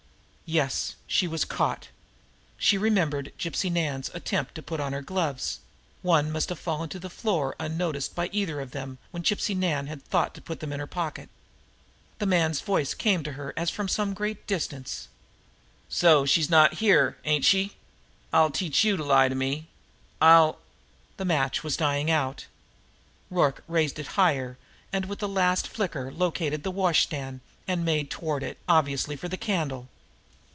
Yes, she was caught! She remembered Gypsy Nan's attempt to put on her gloves one must have fallen to the floor unnoticed by either of them when Gypsy Nan had thought to put them in her pocket! The man's voice came to her as from some great distance: "So, she ain't here ain't she! I'll teach you to lie to me! I'll " The match was dying out. Rorke raised it higher, and with the last flicker located the washstand, and made toward it, obviously for the candle.